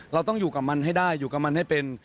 เราต้องอยู่กับมันให้ได้อยู่กับมันให้เป็น